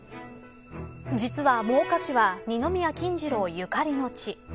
実は真岡市は二宮金次郎ゆかりの地。